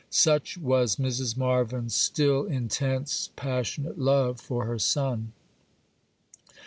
Such was Mrs. Marvyn's still intense, passionate love for her son.